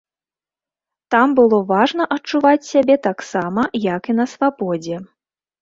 Там было важна адчуваць сябе таксама, як і на свабодзе.